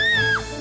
terima kasih laura